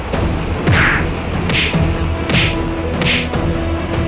saya akan menjaga kebenaran raden